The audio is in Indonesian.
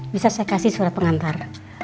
bisa saya kasih surat pengantar